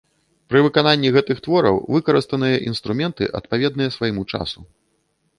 Пры выкананні гэтых твораў выкарыстаныя інструменты, адпаведныя свайму часу.